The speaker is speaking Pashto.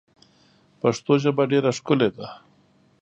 پښتو ژبه ډېره ښکلې ده.